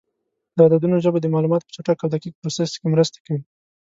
د عددونو ژبه د معلوماتو په چټک او دقیق پروسس کې مرسته کوي.